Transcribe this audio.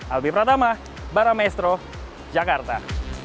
albi pratama barra maestro jakarta